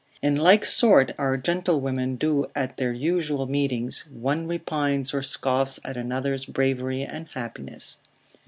In like sort our gentlewomen do at their usual meetings, one repines or scoffs at another's bravery and happiness.